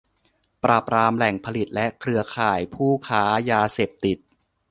ปราบปรามแหล่งผลิตและเครือข่ายผู้ค้ายาเสพติด